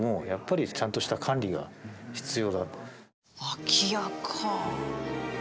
空き家かあ。